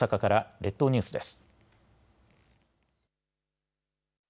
列島ニュースです。